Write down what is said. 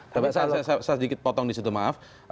tapi saya sedikit potong di situ maaf